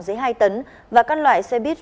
dưới hai tấn và các loại xe buýt